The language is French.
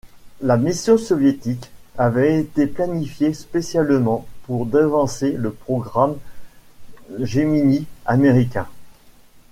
La mission soviétique avait été planifiée spécialement pour devancer le programme Gemini américain.